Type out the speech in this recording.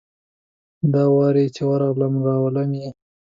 دا وار چي ورغلم ، راولم یې .